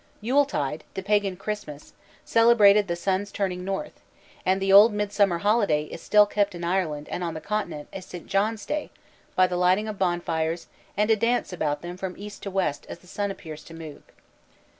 Yule tide, the pagan Christmas, celebrated the sun's turning north, and the old midsummer holiday is still kept in Ireland and on the Continent as St. John's Day by the lighting of bonfires and a dance about them from east to west as the sun appears to move.